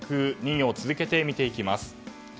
２行続けて見ていきます。